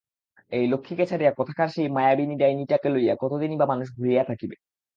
এই লক্ষ্মীকে ছাড়িয়া কোথাকার সেই মায়াবিনী ডাইনিটাকে লইয়া কতদিনই বা মানুষ ভুলিয়া থাকিবে।